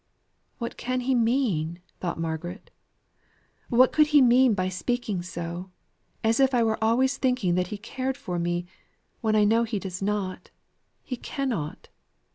"What can he mean?" thought Margaret, "what could he mean by speaking so, as if I were always thinking that he cared for me, when I know he does not; he cannot.